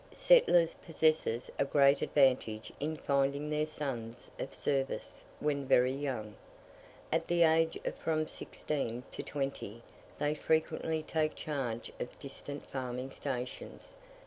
Settlers possess a great advantage in finding their sons of service when very young. At the age of from sixteen to twenty, they frequently take charge of distant farming stations.